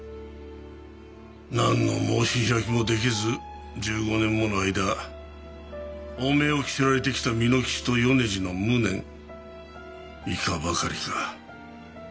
何の申し開きもできず１５年もの間汚名を着せられてきた蓑吉と米次の無念いかばかりか。